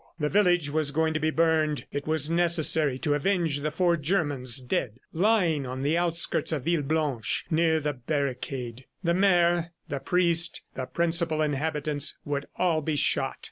The village was going to be burned. It was necessary to avenge the four German dead lying on the outskirts of Villeblanche, near the barricade. The mayor, the priest, the principal inhabitants would all be shot.